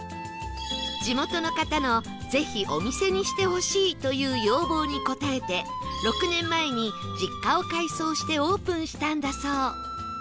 地元の方のぜひお店にしてほしいという要望に応えて６年前に実家を改装してオープンしたんだそう